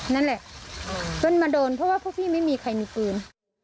นั่นแหละจนมาโดนเพราะว่าพวกพี่ไม่มีใครมีปืน